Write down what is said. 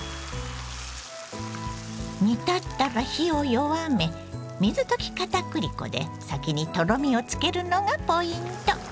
煮立ったら火を弱め水溶きかたくり粉で先にとろみをつけるのがポイント。